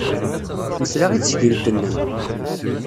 Nesla i tesgilt-nnem.